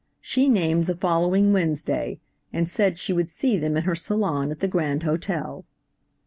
She named the following Wednesday, and said she would see them in her salon at the Grand Hotel.